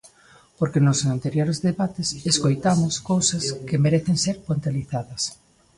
Porque nos anteriores debates escoitamos cousas que merecen ser puntualizadas.